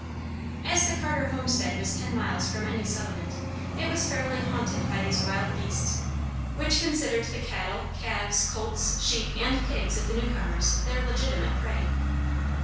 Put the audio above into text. As the Carter homestead was ten miles from any settlement, it was fairly haunted by these wild beasts, which considered the cattle, calves, colts, sheep, and pigs of the new comers their legitimate prey.